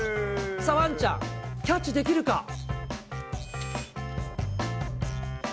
さあ、ワンちゃん、キャッチできるか。